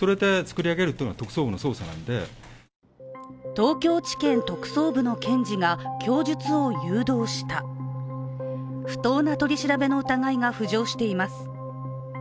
東京地検特捜部の検事が供述を誘導した、不当な取り調べの疑いが浮上しています。